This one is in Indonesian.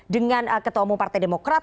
dengan ketua umum partai demokrat